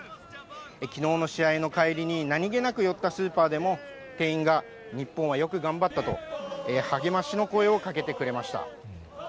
きのうの試合の帰りに何気なく寄ったスーパーでも、店員が日本はよく頑張ったと、励ましの声をかけてくれました。